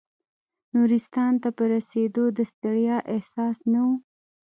نورستان ته په رسېدو د ستړیا احساس نه و.